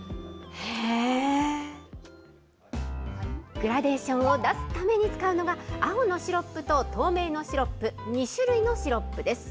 グラデーションを出すために使うのが、青のシロップと透明のシロップ、２種類のシロップです。